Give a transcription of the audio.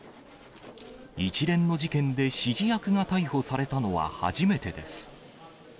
一連の事件で指示役が逮捕されたのは初めてです。